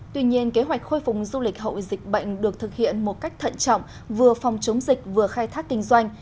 tuy nhiên kế hoạch khôi phục du lịch hậu dịch bệnh được thực hiện một cách thận trọng vừa phòng chống dịch vừa khai thác kinh doanh